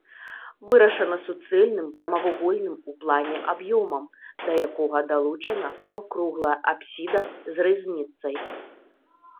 Вырашана суцэльным прамавугольным у плане аб'ёмам, да якога далучана паўкруглая апсіда з рызніцай.